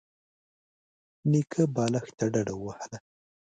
نيکه بالښت ته ډډه ووهله.